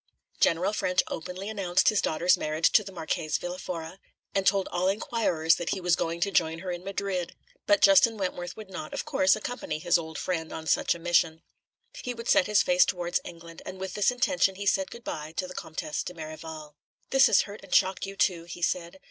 General Ffrench openly announced his daughter's marriage to the Marchese Villa Fora, and told all inquirers that he was going to join her in Madrid; but Justin Wentworth would not, of course, accompany his old friend on such a mission. He would set his face towards England, and with this intention he said "Good bye" to the Comtesse de Merival. "This has hurt and shocked you, too," he said.